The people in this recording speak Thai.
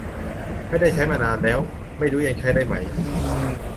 ไม่ได้ใช้มานานแล้ว ไม่รู้ยังใช้ได้ไหม